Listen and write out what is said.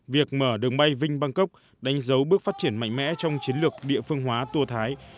việc mở đường bay vinh bangkok đánh dấu bước phát triển mạnh mẽ trong chiến lược địa phương hóa tùa thái